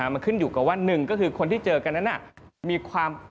มันขึ้นอยู่กับว่า๑